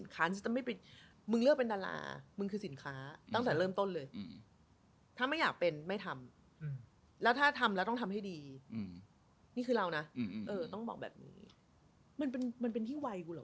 ก็ถูกต้องแล้ว